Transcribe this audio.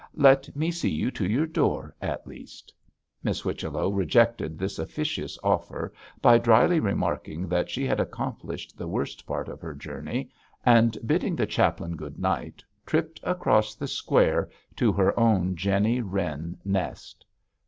'Let me see you to your door at least.' Miss Whichello rejected this officious offer by dryly remarking that she had accomplished the worst part of her journey, and bidding the chaplain 'Good night,' tripped across the square to her own Jenny Wren nest.